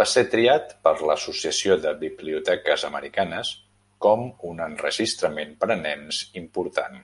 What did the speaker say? Va se triat per l'Associació de Biblioteques americanes com un enregistrament per a nens important.